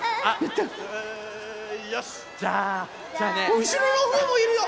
うしろのほうもいるよ！